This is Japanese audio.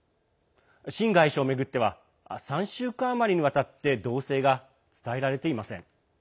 秦外相を巡っては３週間余りにわたって動静が伝えられていません。